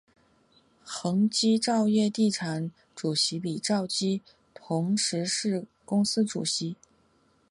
恒基兆业地产主席李兆基同时是公司主席。